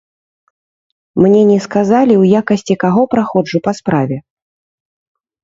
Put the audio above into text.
Мне не сказалі, у якасці каго праходжу па справе.